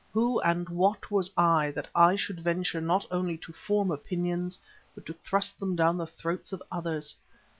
Who and what was I, that I should venture not only to form opinions, but to thrust them down the throats of others?